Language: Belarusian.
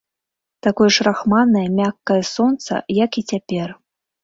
Такое ж рахманае, мяккае сонца, як і цяпер.